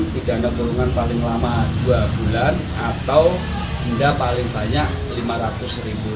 pindah anda ke urungan paling lama dua bulan atau hingga paling banyak rp lima ratus